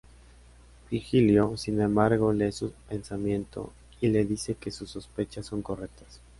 Virgilio sin embargo lee su pensamiento, y le dice que sus sospechas son correctas.